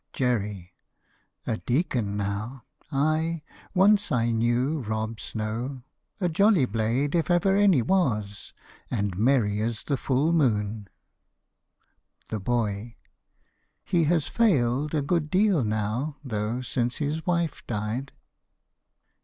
JERRY. A deacon now! Ay, once I knew Rob Snow A jolly blade, if ever any was, And merry as the full moon. THE BOY. He has failed A good deal now, though, since his wife died.